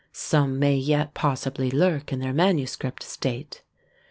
Some may yet possibly lurk in their manuscript state.